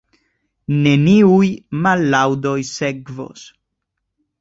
Neniuj mallaŭdoj sekvos.